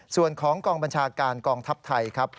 ส่วนของกองบัญชาการกองทัพไทยครับ